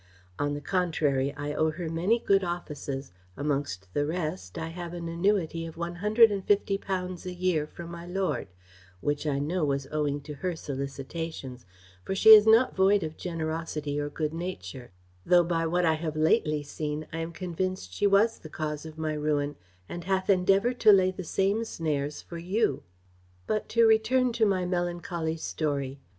On the contrary, I owe her many good offices; amongst the rest, I have an annuity of one hundred and fifty pounds a year from my lord, which I know was owing to her solicitations, for she is not void of generosity or good nature; though by what I have lately seen, I am convinced she was the cause of my ruin, and hath endeavoured to lay the same snares for you. "But to return to my melancholy story.